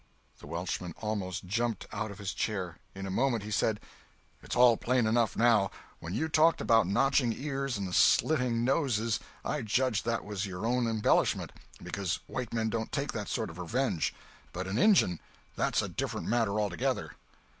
The Welshman almost jumped out of his chair. In a moment he said: "It's all plain enough, now. When you talked about notching ears and slitting noses I judged that that was your own embellishment, because white men don't take that sort of revenge. But an Injun! That's a different matter altogether."